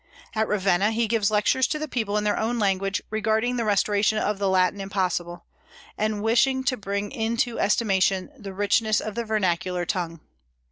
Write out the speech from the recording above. At Ravenna he gives lectures to the people in their own language, regarding the restoration of the Latin impossible, and wishing to bring into estimation the richness of the vernacular tongue.